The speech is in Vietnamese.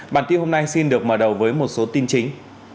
bản tin hôm nay xin được mở đầu với một số tin chính